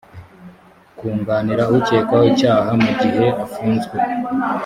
kunganira ukekwaho icyaha mu gihe afunzwe